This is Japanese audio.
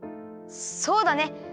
そうだね。